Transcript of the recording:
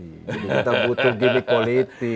kita butuh gimmick politik